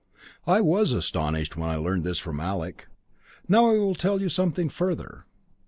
"I was astonished when I learned this from Alec. Now I will tell you something further.